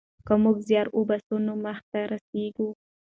که موږ زیار وباسو نو موخې ته رسېږو.